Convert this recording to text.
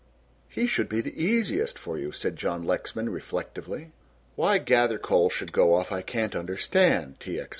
"He should be the easiest for you," said John Lexman, reflectively. "Why Gathercole should go off I can't understand," T. X.